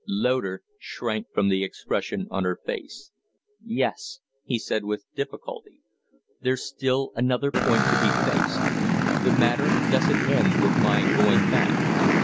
Loder shrank from the expression on her face. "Yes," he said, with difficulty. "There's still another point to be faced. The matter doesn't end with my going back.